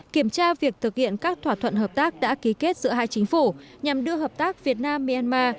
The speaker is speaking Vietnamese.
kiểm tra việc thực hiện các thỏa thuận hợp tác đã ký kết giữa hai chính phủ nhằm đưa hợp tác việt nam myanmar